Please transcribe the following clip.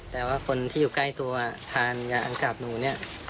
แต่ว่าคนที่อยู่ใกล้ตัวทานยาอังกราบหนูเนี่ย